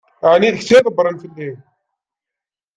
Ɛni d kečč ara ydebbṛen fell-i?